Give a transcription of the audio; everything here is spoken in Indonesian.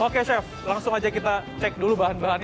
oke chef langsung aja kita cek dulu bahan bahannya